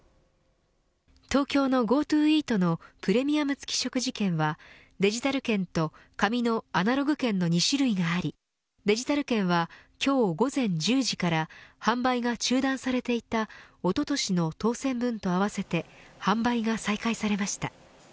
東京のＧｏＴｏイートのプレミアム付き食事券はデジタル券と紙のアナログ券の２種類がありデジタル券は今日午前１０時から販売が中断されていたおととしの当選分と合わせて販売が再開されました。